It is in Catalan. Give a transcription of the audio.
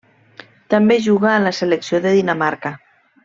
També jugà a la selecció de Dinamarca.